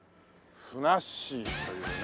ふなっしーというね。